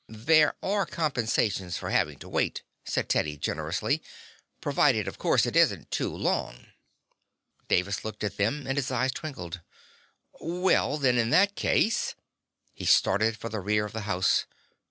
"There are compensations for having to wait," said Teddy generously, "provided, of course, it isn't too long." Davis looked at them and his eyes twinkled. "Well, then, in that case " He started for the rear of the house.